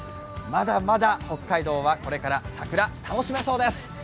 まだまだ北海道は、これから桜、楽しめそうです。